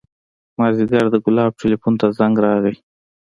مازديګر د ګلاب ټېلفون ته زنګ راغى.